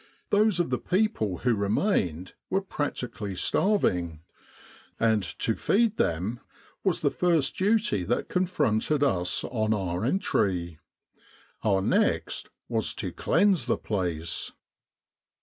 Those of the people who remained were practically starving, and to feed them was the 140 El Arish and After first duty that confronted us on our entry. Our next was to cleanse the place.